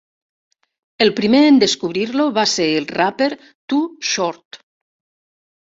El primer en descobrir-lo va ser el raper Too Short.